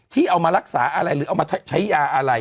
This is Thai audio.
ที่เอามารักษาอะไรหรือเอามาใช้ยาอะไร